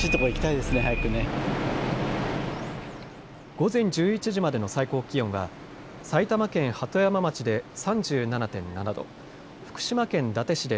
午前１１時までの最高気温は埼玉県鳩山町で３７．７度、福島県伊達市で